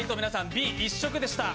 Ｂ一色でした。